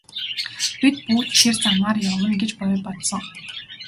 Бид бүгд тэр замаар явна гэж би бодсон.